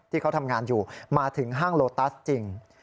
ที่เขาทำงานอยู่มาถึงห้างโลตัสจริง